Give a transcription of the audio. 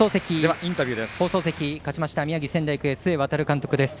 放送席、勝ちました宮城・仙台育英の須江航監督です。